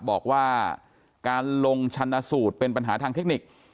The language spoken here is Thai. บอกว่าการลงชันสูตรเป็นปัญหาทางเทคนิค